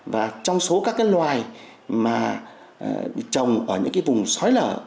và trong số các cái loài mà trồng ở những cái vùng xói lở